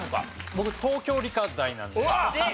僕東京理科大なので。